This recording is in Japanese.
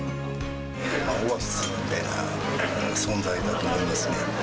オアシスみたいな存在だと思いますね。